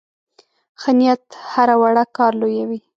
ښه نیت هره وړه کار لویوي.